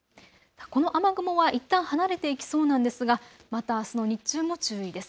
この雨雲はいったん離れていきそうなんですがまたあすの日中も注意です。